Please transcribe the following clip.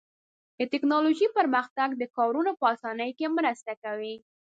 د تکنالوژۍ پرمختګ د کارونو په آسانۍ کې مرسته کوي.